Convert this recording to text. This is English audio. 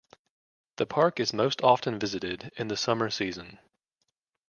The park is most often visited in the summer season.